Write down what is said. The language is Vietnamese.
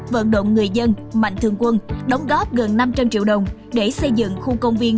vận động người dân mạnh thường quân đóng góp gần năm trăm linh triệu đồng để xây dựng khu công viên